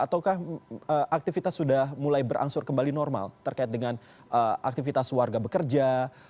ataukah aktivitas sudah mulai berangsur kembali normal terkait dengan aktivitas warga bekerja